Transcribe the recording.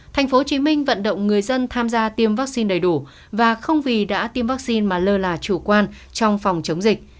tp hcm vận động người dân tham gia tiêm vaccine đầy đủ và không vì đã tiêm vaccine mà lơ là chủ quan trong phòng chống dịch